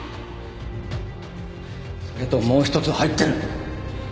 それともう一つ入ってる。